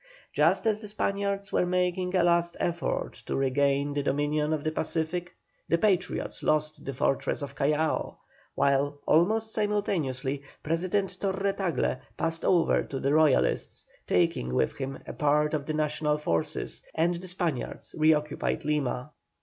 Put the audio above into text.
Just as the Spaniards were making a last effort to regain the dominion of the Pacific the Patriots lost the fortress of Callao, while, almost simultaneously, President Torre Tagle passed over to the Royalists, taking with him a part of the national forces, and the Spaniards re occupied Lima.